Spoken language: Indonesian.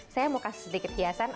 saya mau kasih sedikit hiasan